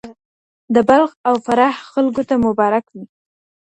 د بلخ او فراه خلکو ته مبارک وي.